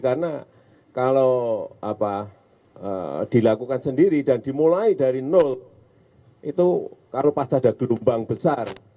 karena kalau dilakukan sendiri dan dimulai dari nol itu kalau pas ada gelombang besar